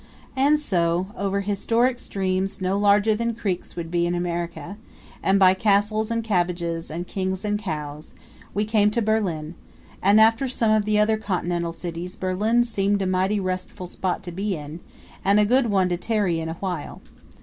And so, over historic streams no larger than creeks would be in America, and by castles and cabbages and kings and cows, we came to Berlin; and after some of the other Continental cities Berlin seemed a mighty restful spot to be in, and a good one to tarry in awhile.